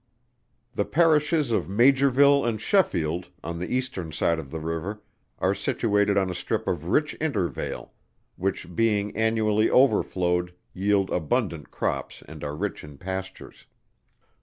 The Parishes of Maugerville and Sheffield, on the eastern side of the river, are situated on a strip of rich intervale, which being annually overflowed, yield abundant crops and are rich in pastures.